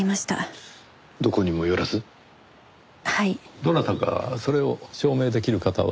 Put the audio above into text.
どなたかそれを証明できる方は？